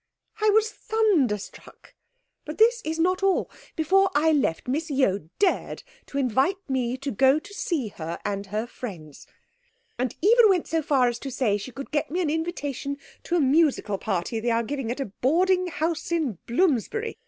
I was thunderstruck. But this is not all. Before I left Miss Yeo dared to invite me to go to see her and her friends, and even went so far as to say she could get me an invitation to a musical party they are giving in a boarding house in Bloomsbury!